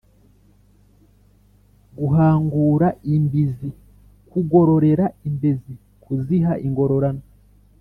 guhangura imbizi: kugororera imbezi, kuziha ingororano